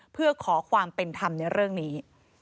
เพื่อขอความเป็นธรรมในเรื่องนี้